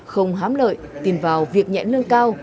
không hám lợi tin vào việc nhẹ lương cao